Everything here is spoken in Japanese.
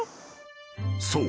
［そう。